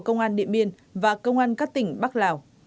công an điện biên và công an các tỉnh bắc lào